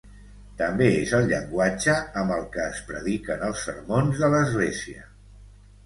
També és el llenguatge amb el que es prediquen els sermons de l'església .